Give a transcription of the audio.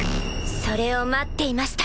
それを待っていました！